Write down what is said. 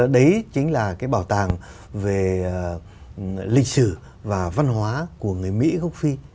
đấy chính là cái bảo tàng về lịch sử và văn hóa của người mỹ gốc phi